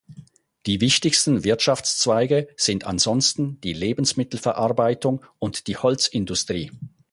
Die wichtigsten Wirtschaftszweige sind ansonsten die Lebensmittelverarbeitung und die Holzindustrie.